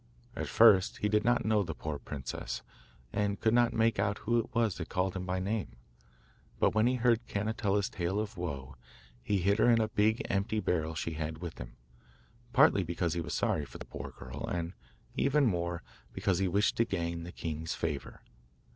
At first he did not know the poor princess, and could not make out who it was that called him by name. But when he heard Cannetella's tale of woe, he hid her in a big empty barrel he had with him, partly because he was sorry for the poor girl, and, even more, because he wished to gain the king's favour.